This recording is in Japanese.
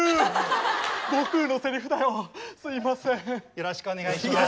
よろしくお願いします。